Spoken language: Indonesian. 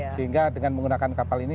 sehingga dengan menggunakan kapal ini